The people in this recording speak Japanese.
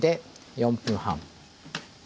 ４分半！